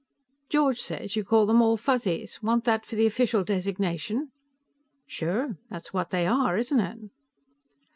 "George says you call them all Fuzzies. Want that for the official designation?" "Sure. That's what they are, isn't it?"